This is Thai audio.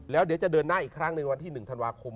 แล้วเดี๋ยวจะเดินหน้าอีกครั้งในวันที่๑ธันวาคม